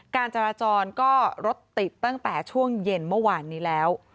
การจราจรก็รถติดตั้งแต่ช่วงเย็นเมื่อวานนี้แล้ว